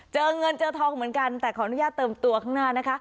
เจอเงินเจอทองเหมือนกันแต่ขออนุญาตเติมตัวข้างหน้านะคะ